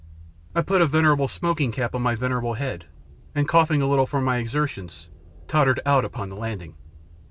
I put a venerable smoking cap on my vener able head, and, coughing a little from my exertions, tottered out upon the landing.